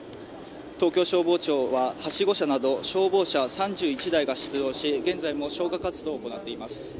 東京消防庁ははしご車など消防車３１台が出動し現在も消火活動を行っています。